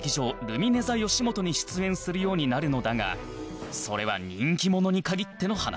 ルミネ ｔｈｅ よしもとに出演するようになるのだがそれは人気者に限っての話